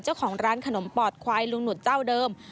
เจ้าของร้านขนมปอดควายลุงหนุดเจ้าเดิม